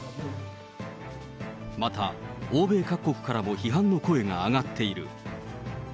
また、欧米各国からも批判の声が上がっている。